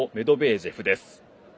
ジェフです。